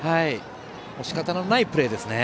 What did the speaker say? しかたのないプレーですね。